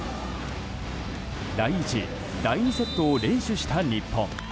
第１、第２セットを連取した日本。